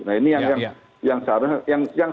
nah ini yang